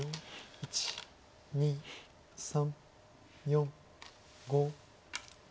１２３４５。